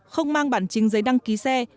không mang bản chính giấy đăng ký xe